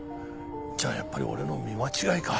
じゃあやっぱり俺の見間違いか。